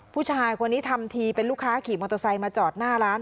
ผู้ชายคนนี้ทำทีเป็นลูกค้าขี่มอเตอร์ไซค์มาจอดหน้าร้าน